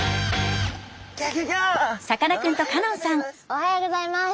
おはようギョざいます！